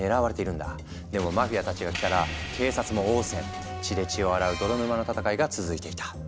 でもマフィアたちが来たら警察も応戦血で血を洗う泥沼の戦いが続いていた。